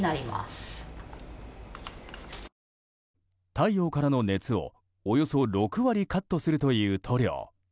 太陽からの熱を、およそ６割カットするという塗料。